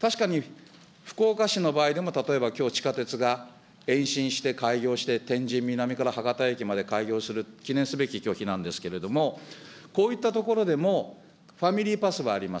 確かに福岡市の場合でも、例えばきょう、地下鉄が延伸して開業して天神南から博多駅まで開業する記念すべき、きょう日なんですけれども、こういったところでもファミリーパスはあります。